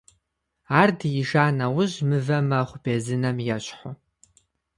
Ар диижа нэужь мывэ мэхъу, безынэм ещхьу.